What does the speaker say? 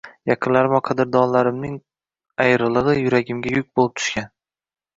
Yaqinlarim va qadrdonlarimning ayriligʻi yuragimga yuk boʻlib tushgan